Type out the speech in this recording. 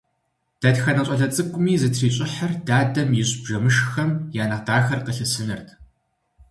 Дэтхэнэ щӀалэ цӀыкӀуми зытрищӀыхьыр дадэм ищӀ бжэмышххэм я нэхъ дахэр къылъысынырт.